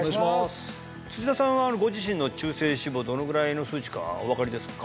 土田さんはご自身の中性脂肪どのぐらいの数値かお分かりですか？